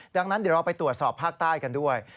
ดังนั้นเดี๋ยวเราไปตรวจสอบภาคใต้กันด้วย